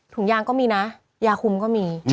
ถุงยางก็มีนะยาคุมก็มี